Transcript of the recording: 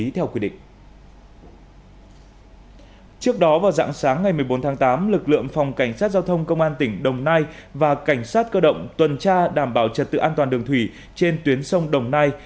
trước đó vào dạng sáng ngày một mươi bốn tháng tám lực lượng phòng cảnh sát giao thông công an tỉnh đồng nai và cảnh sát cơ động tuần tra đảm bảo trật tự an toàn đường thủy trên tuyến sông đồng nai